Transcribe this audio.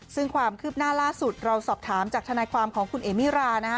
ซึ่งความคืบหน้าล่าสุดเราสอบถามจากทนายความของคุณเอมิรานะฮะ